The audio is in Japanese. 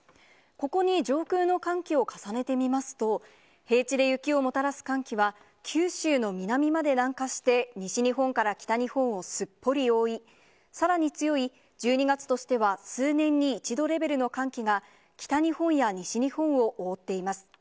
ここに上空の寒気を重ねてみますと、平地で雪をもたらす寒気は、九州の南まで南下して、西日本から北日本をすっぽり覆い、さらに強い、１２月としては数年に一度レベルの寒気が北日本や西日本を覆っています。